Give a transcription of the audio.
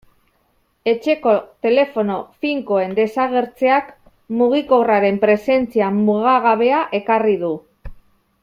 Etxeko telefono finkoen desagertzeak mugikorraren presentzia mugagabea ekarri du.